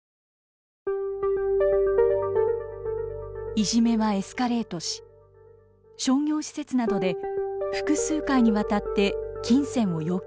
いじめはエスカレートし商業施設などで複数回にわたって金銭を要求されます。